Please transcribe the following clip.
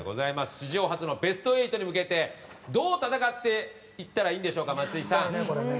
史上初のベスト８に向けてどう戦っていったらいいんでしょうか、松井さん。